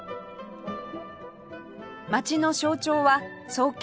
街の象徴は創建